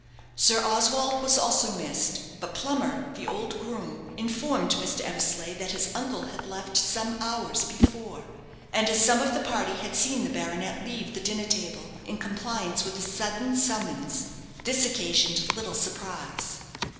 Sir Oswald was also missed; but Plummer, the old groom, informed Mr. Eversleigh that his uncle had left some hours before; and as some of the party had seen the baronet leave the dinner table, in compliance with a sudden summons, this occasioned little surprise.